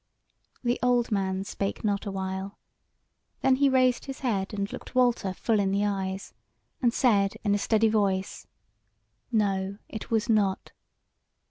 The old man spake not a while, then he raised his head, and looked Walter full in the eyes, and said in a steady voice: "NO, IT WAS NOT."